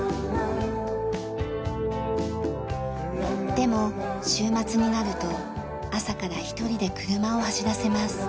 でも週末になると朝から１人で車を走らせます。